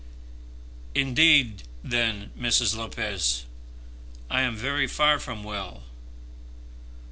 "Indeed, then, Mrs. Lopez, I am very far from well.